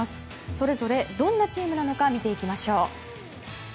それぞれ、どんなチームなのか見ていきましょう。